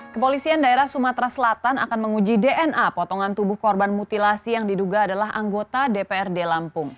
kepolisian daerah sumatera selatan akan menguji dna potongan tubuh korban mutilasi yang diduga adalah anggota dprd lampung